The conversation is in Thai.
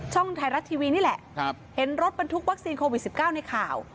ไทยรัฐทีวีนี่แหละเห็นรถบรรทุกวัคซีนโควิด๑๙ในข่าว